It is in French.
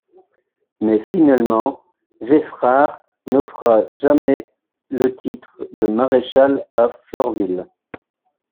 Mais finalement, Geffrard n'offra jamais le titre de maréchal à Florvil.